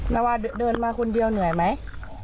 นาวาเดินมาคนเดียวเหนื่อยไหม